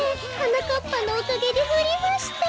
かっぱのおかげでふりました！